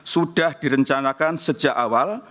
sudah direncanakan sejak awal